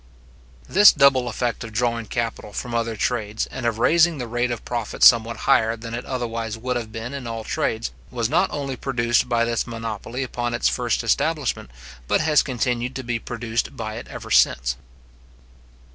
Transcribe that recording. This double effect of drawing capital from all other trades, and of raising the rate of profit somewhat higher than it otherwise would have been in all trades, was not only produced by this monopoly upon its first establishment, but has continued to be produced by it ever since.